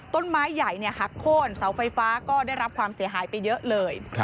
ต้นไม้ใหญ่หักโค้นเสาไฟฟ้าก็ได้รับความเสียหายไปเยอะเลย